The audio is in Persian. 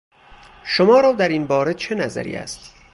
شما را در این باره چه نظری است؟